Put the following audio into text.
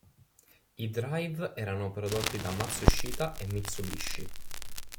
I drive erano prodotti da Matsushita e Mitsubishi.